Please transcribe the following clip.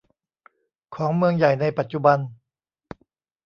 ของเมืองใหญ่ในปัจจุบัน